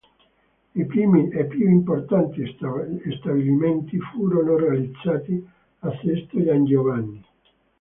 I primi e più importanti stabilimenti furono realizzati a Sesto San Giovanni.